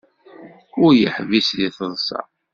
Ur yeḥbis seg teḍsa.